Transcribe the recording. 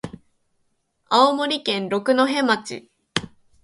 青森県六戸町